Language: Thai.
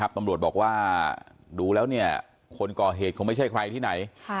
ตำรวจบอกว่าดูแล้วคนก่อเหตุคงไม่ใช่ใครที่ไหน